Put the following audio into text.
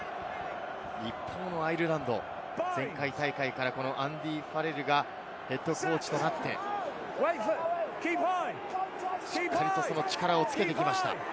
一方のアイルランド、前回大会からアンディ・ファレルがＨＣとなって、しっかりと力をつけてきました。